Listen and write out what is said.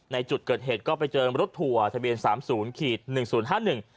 ในจุดเกิดเหตุก็ไปเจอรถทัวร์ทะเบียนสามศูนย์ขีดหนึ่งศูนย์ห้าหนึ่ง